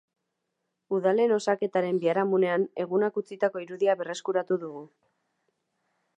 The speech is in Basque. Udalen osaketaren biharamunean egunak utzitako irudia berreskuratu dugu.